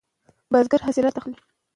ولوو نوی ماډل وړاندې کړ.